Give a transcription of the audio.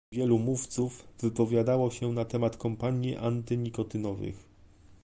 Wielu mówców wypowiadało się na temat kampanii antynikotynowych